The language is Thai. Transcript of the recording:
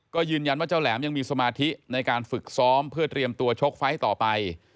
ก็ยืนยันว่าเจ้าแหลมยังมีสมาธิในการฝึกซ้อมเพื่อเตรียมตัวชกไฟล์ต่อไป